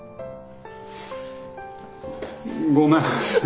ごめん。